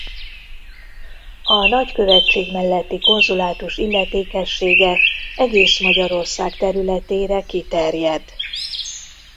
A nagykövetség melletti konzulátus illetékessége egész Magyarország területére kiterjed.